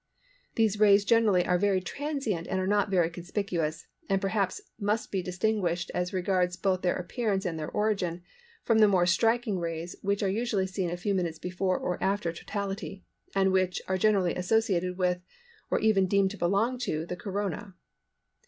These rays generally are very transient and not very conspicuous, and perhaps must be distinguished as regards both their appearance and their origin from the more striking rays which are usually seen a few minutes before or after totality, and which are generally associated with, or even deemed to belong to, the Corona.